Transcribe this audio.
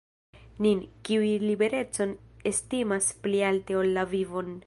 Nin, kiuj liberecon estimas pli alte ol la vivon.